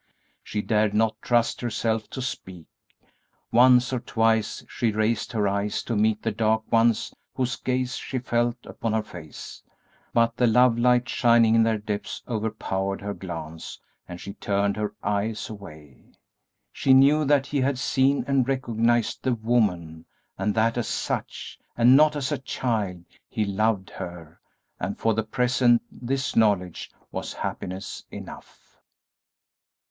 She dared not trust herself to speak. Once or twice she raised her eyes to meet the dark ones whose gaze she felt upon her face, but the love light shining in their depths overpowered her glance and she turned her eyes away. She knew that he had seen and recognized the woman, and that as such and not as a child he loved her, and for the present this knowledge was happiness enough.